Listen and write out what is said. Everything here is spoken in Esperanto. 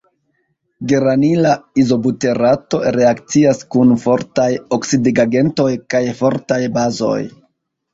Geranila izobuterato reakcias kun fortaj oksidigagentoj kaj fortaj bazoj.